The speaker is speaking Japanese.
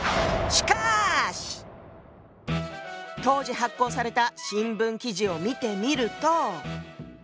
当時発行された新聞記事を見てみると。